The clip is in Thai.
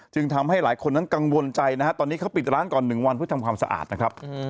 ทำให้หลายคนนั้นกังวลใจนะฮะตอนนี้เขาปิดร้านก่อน๑วันเพื่อทำความสะอาดนะครับ